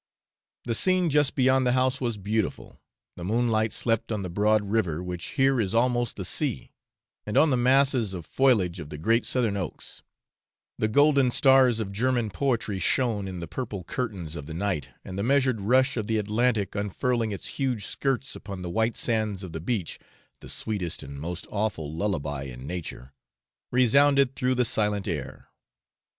The scene just beyond the house was beautiful, the moonlight slept on the broad river which here is almost the sea, and on the masses of foliage of the great southern oaks; the golden stars of German poetry shone in the purple curtains of the night, and the measured rush of the Atlantic unfurling its huge skirts upon the white sands of the beach (the sweetest and most awful lullaby in nature) resounded through the silent air.